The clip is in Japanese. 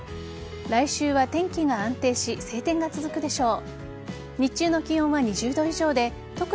来週は天気が安定し晴天が続くでしょう。